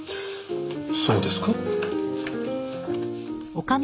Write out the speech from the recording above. そうですか？